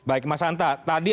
baik mas anta tadi